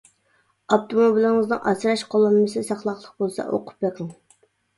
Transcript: ئاپتوموبىلىڭىزنىڭ ئاسراش قوللانمىسى ساقلاقلىق بولسا ئوقۇپ بېقىڭ.